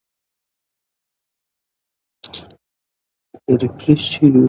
ژوند د انسان د وجدان هنداره ده.